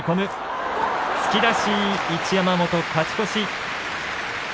突き出し一山本、勝ち越し。